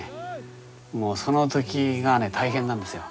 もうその時がね大変なんですよ。